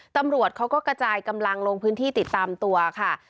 ตำรวจเขาก็กระจายกำลังลงพื้นที่ติดตามตัวค่ะ